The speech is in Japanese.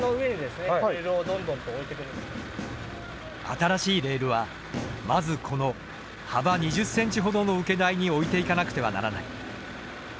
新しいレールはまずこの幅２０ｃｍほどの受け台に置いていかなくてはならない。